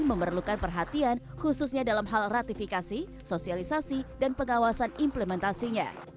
memerlukan perhatian khususnya dalam hal ratifikasi sosialisasi dan pengawasan implementasinya